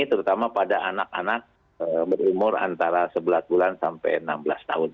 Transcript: terutama pada anak anak berumur antara sebelas bulan sampai enam belas tahun